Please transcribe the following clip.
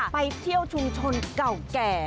ไปเที่ยวชุมชนเก่าแก่